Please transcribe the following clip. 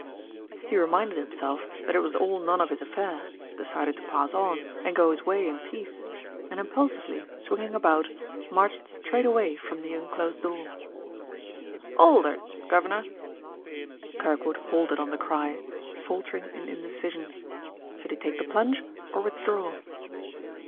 He reminded himself that it was all none of his affair, decided to pass on and go his ways in peace, and impulsively, swinging about, marched straight away for the unclosed door. "'Old'ard, guvner!" Kirkwood halted on the cry, faltering in indecision. Should he take the plunge, or withdraw?